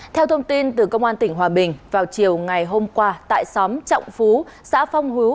theo thông tin từ công an tỉnh hòa bình vào chiều ngày hôm qua tại xóm trọng phú xã phong hữu